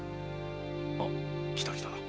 あ来た来た。